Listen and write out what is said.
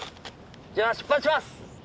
じゃあ出発します！